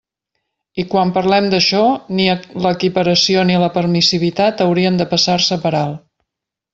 I quan parlem d'això, ni l'equiparació, ni la permissivitat haurien de passar-se per alt.